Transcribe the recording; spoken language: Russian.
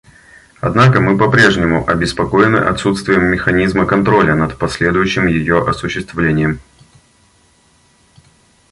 Однако мы попрежнему обеспокоены отсутствием механизма контроля над последующим ее осуществлением.